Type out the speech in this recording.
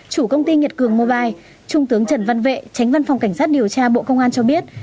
chủ công ty nhật cường mobile trung tướng trần văn vệ tránh văn phòng cảnh sát điều tra bộ công an cho biết